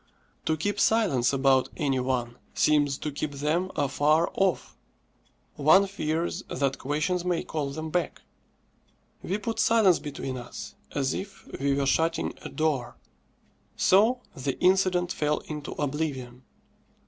To keep silence about any one seems to keep them afar off. One fears that questions may call them back. We put silence between us, as if we were shutting a door. So the incident fell into oblivion.